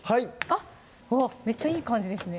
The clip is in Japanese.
あっめっちゃいい感じですね